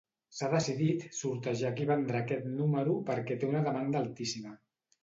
S'ha decidit sortejar qui vendrà aquest número perquè té una demanda altíssima.